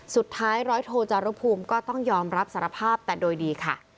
สุดท้ายร้อยโทจารุภูมิก็ต้องยอมรับสารภาพแต่โดยดีค่ะ